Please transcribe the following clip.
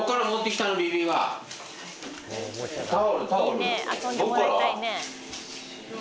いいね遊んでもらいたいね。